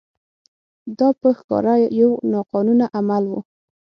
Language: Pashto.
دا په ښکاره یو ناقانونه عمل و.